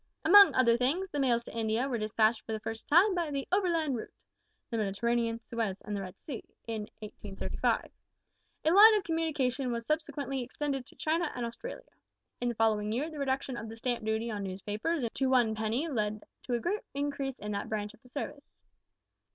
"Among other things, the mails to India were despatched for the first time by the `overland route' the Mediterranean, Suez, and the Red Sea in 1835. A line of communication was subsequently extended to China and Australia. In the following year the reduction of the stamp duty on newspapers to one penny led to a great increase in that branch of the service.